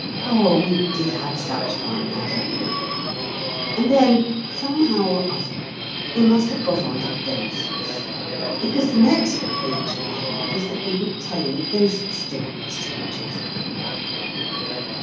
Oh, we did have such fun that evening! And then, somehow or other, we must have got on to ghosts; because the next recollection I have is that we were telling ghost stories to each other.